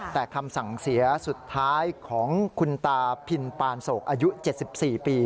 แต่คำสั่งเสียสุดท้ายของคุณตาพินปานโศกอายุ๗๔ปี